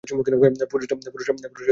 পুরুষরা থাকে নিঃসঙ্গ।